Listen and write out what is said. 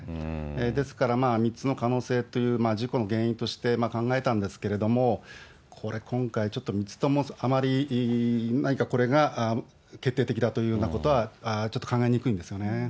ですから３つの可能性という、事故の原因として考えたんですけれども、これ今回、ちょっと３つともあまり何かこれが決定的だというようなことは、ちょっと考えにくいんですよね。